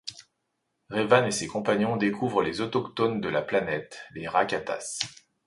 Revan et ses compagnons découvrent les autochtones de la planète, les Rakatas.